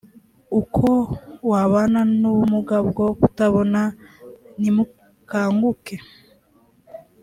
uko wabana n ubumuga bwo kutabona nimukanguke